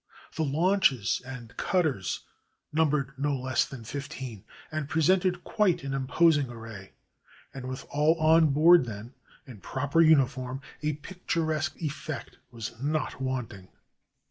The launches and cutters num bered no less than fifteen, and presented quite an im posing array; and with all on board them, in proper 430 COMMODORE PERRY IN JAPAN uniform, a picturesque effect was not wanting.